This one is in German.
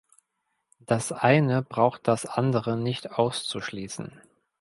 Das eine braucht das andere nicht auszuschließen.